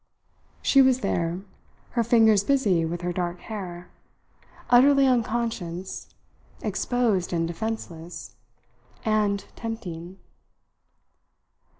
She was there, her fingers busy with her dark hair, utterly unconscious, exposed and defenceless and tempting.